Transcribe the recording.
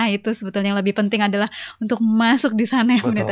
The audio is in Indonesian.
itu sebetulnya yang lebih penting adalah untuk masuk di sana ya pendeta